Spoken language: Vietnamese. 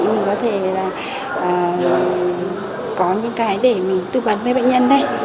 mình có thể là có những cái để mình tư vấn với bệnh nhân này